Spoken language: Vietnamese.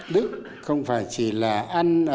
đức không phải chỉ là ăn